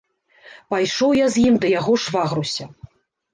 Пайшоў я з ім да яго швагруся.